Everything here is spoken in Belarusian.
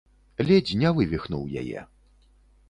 Ледзь не вывіхнуў яе.